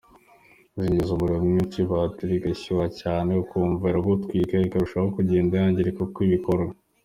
Zinjiza umuriro mwinshi, batiri igashyuha cyane ukumva iragutwika ikarushaho kugenda yangirika uko ubikora.